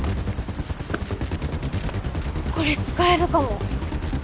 これ使えるかも。